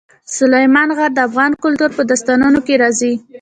سلیمان غر د افغان کلتور په داستانونو کې راځي.